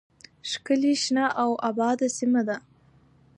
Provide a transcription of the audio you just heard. ، ښکلې، شنه او آباده سیمه ده.